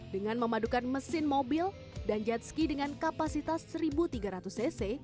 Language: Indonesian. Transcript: dengan memadukan mesin mobil dan jet ski dengan kapasitas satu tiga ratus cc